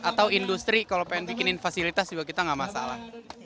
atau industri kalau pengen bikinin fasilitas juga kita nggak masalah